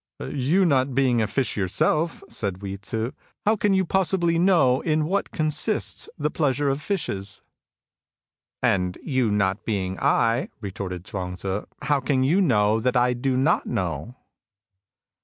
''" You not being a fish yourself," said Hui Tzu, " how can you possibly know in what consists the pleasure of fishes ?"" And you not being I," retorted Chuang Tzu, *' how can you know that I do not know